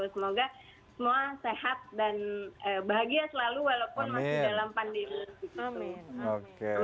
semoga semua sehat dan bahagia selalu walaupun masih dalam pandemi